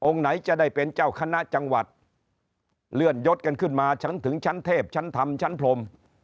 ไหนจะได้เป็นเจ้าคณะจังหวัดเลื่อนยศกันขึ้นมาฉันถึงชั้นเทพชั้นธรรมชั้นพรม